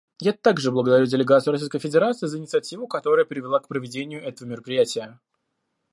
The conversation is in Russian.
Я также благодарю делегацию Российской Федерации за инициативу, которая привела к проведению этого мероприятия.